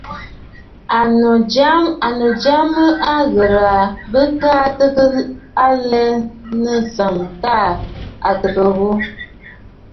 Ɨ̀nnu jya mə o ghɨrə̀ aa, bɨka tɔɔ alɛ ɨ nɔ̀ŋsə tâ ò təə ghu.